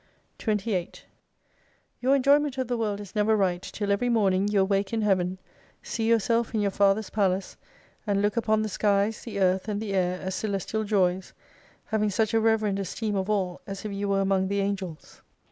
28 Your enjoyment of the world is never right, till every morning you awake in Heaven ; see yourself in your Father's Palace ; and look upon the skies, the earth, and the air as Celestial Joys : having such a reverend esteem of all, as if you were among the Angels.